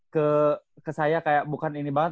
ke saya kayak bukan ini banget